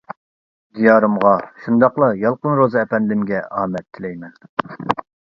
دىيارىمغا شۇنداقلا يالقۇن روزى ئەپەندىمگە ئامەت تىلەيمەن.